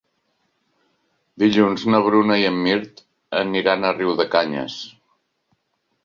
Dilluns na Bruna i en Mirt aniran a Riudecanyes.